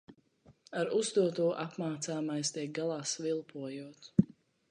Ar uzdoto apmācāmais tiek galā svilpojot.